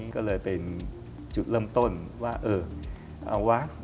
ก็เลยเป็นจุดเริ่มต้นว่าเออเอาวะ